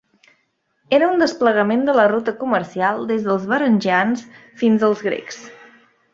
Era un desplegament de la ruta comercial des dels Varangians fins als Grecs.